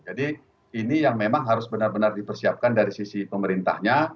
jadi ini yang memang harus benar benar dipersiapkan dari sisi pemerintahnya